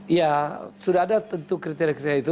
ya sudah ada tentu kriteria kriteria itu